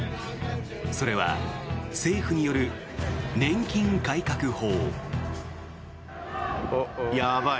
それは政府による年金改革法。